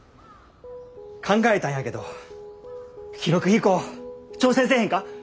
考えたんやけど記録飛行挑戦せえへんか？